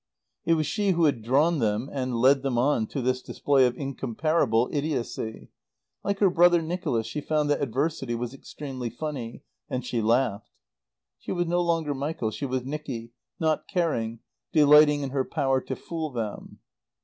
It was she who had drawn them and led them on to this display of incomparable idiocy. Like her brother Nicholas she found that adversity was extremely funny; and she laughed. She was no longer Michael, she was Nicky, not caring, delighting in her power to fool them.